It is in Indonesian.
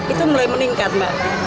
itu mulai meningkat mbak